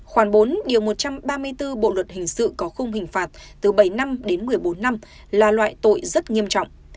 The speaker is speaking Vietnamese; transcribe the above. khoảng bốn điều một trăm ba mươi bốn bộ luật hình sự có khung hình phạt từ bảy năm đến một mươi bốn năm là loại tội rất nghiêm trọng